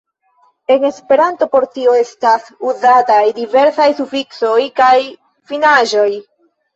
En Esperanto por tio estas uzataj diversaj sufiksoj kaj finaĵoj.